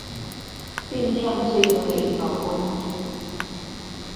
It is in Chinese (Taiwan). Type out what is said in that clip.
運量最多的一條公車路線